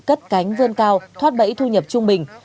cất cánh vươn cao thoát bẫy thu nhập trung bình